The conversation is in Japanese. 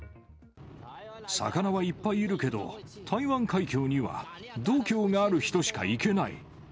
魚はいっぱいいるけど、台湾海峡には度胸がある人しか行けない。